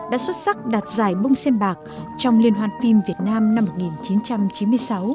đã xuất sắc đạt giải bông sen bạc trong liên hoan phim việt nam năm một nghìn chín trăm chín mươi sáu